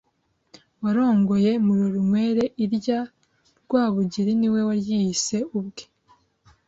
warongoye Murorunkwere; irya Rwabugili ni we waryiyise ubwe,